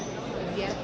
dimana kita harus